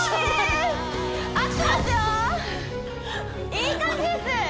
いい感じです